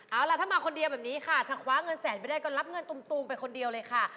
เอาล่ะถ้ามาคนเดียวแบบนี้ค่ะถ้าคว้าเงินแสนไปได้ก็รับเงินตุมไปคนเดียวเลยค่ะ